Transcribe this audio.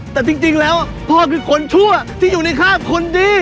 แต่จริงแล้วพ่อคือคนชั่วที่อยู่ในข้าบคนดี